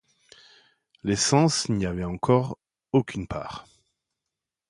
Les sens n’y avaient encore aucune part.